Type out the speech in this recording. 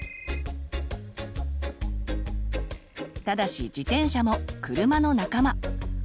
ただし自転車も「車の仲間」。